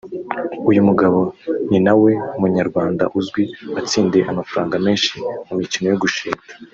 uyu mugabo ninawe munyarwanda uzwi watsindiye amafaranga menshi mu mikino yo gusheta